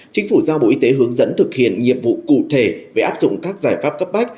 chính phủ giao bộ y tế hướng dẫn thực hiện nhiệm vụ cụ thể về áp dụng các giải pháp cấp bách